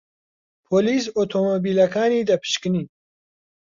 پۆلیس ئۆتۆمۆبیلەکانی دەپشکنی.